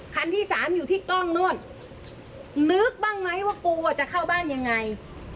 คันที่สามอยู่ที่กล้องนู่นนึกบ้างไหมว่ากูอ่ะจะเข้าบ้านยังไง